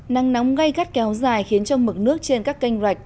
năng nóng ngay gắt kéo dài khiến trong mực nước trên các kênh rạch